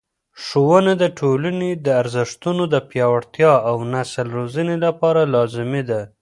ښوونه د ټولنې د ارزښتونو د پیاوړتیا او نسل روزنې لپاره لازمي ده.